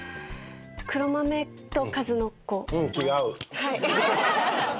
黒豆と数の子。